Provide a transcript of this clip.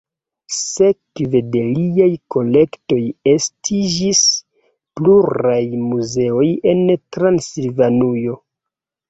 Sekve de liaj kolektoj estiĝis pluraj muzeoj en Transilvanujo.